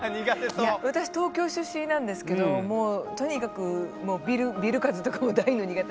いや私東京出身なんですけどもうとにかくビル風とかも大の苦手。